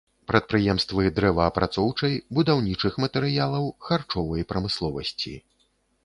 Прадпрыемствы дрэваапрацоўчай, будаўнічых матэрыялаў, харчовай прамысловасці.